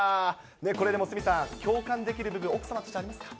これ、でも鷲見さん、共感できる部分、奥様としてありますか。